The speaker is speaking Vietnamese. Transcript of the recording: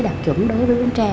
đạt chuẩn đối với đứa con trai